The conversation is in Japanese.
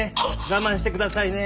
我慢してくださいね。